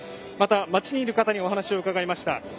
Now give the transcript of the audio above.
また、街にいる方にお話を伺いました。